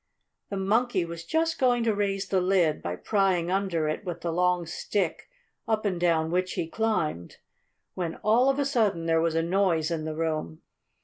The Monkey was just going to raise the lid, by prying under it with the long stick up and down which he climbed, when, all of a sudden, there was a noise in the room.